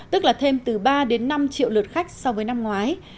tức là thêm từ ba đến năm triệu lượt khách so với năm ngoái